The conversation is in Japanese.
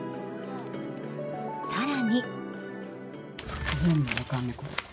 更に。